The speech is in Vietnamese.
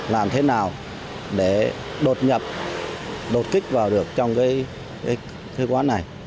làm thế nào để đột nhập đột kích vào được trong cái quán này